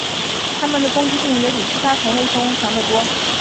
它们的攻击性也比其他同类生物强得多。